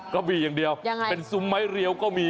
ก็มีอย่างเดียวยังไงเป็นซุ้มไม้เรียวก็มี